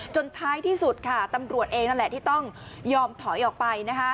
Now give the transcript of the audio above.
ท้ายที่สุดค่ะตำรวจเองนั่นแหละที่ต้องยอมถอยออกไป